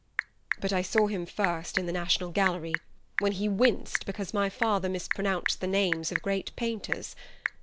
But I saw him first in the National Gallery, when he winced because my father mispronounced the names of great painters.